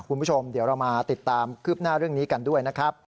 คุณผู้ชมเดี๋ยวเรามาติดตามคืบหน้าเรื่องนี้กันด้วยนะครับ